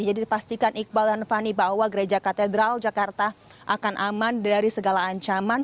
jadi dipastikan iqbal dan fani bahwa gereja katedral jakarta akan aman dari segala ancaman